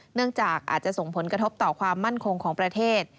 เนื่องจากอาจจะส่งผลกระทบต่อความมั่นคงของประเทศ